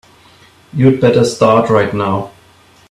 You'd better start right now.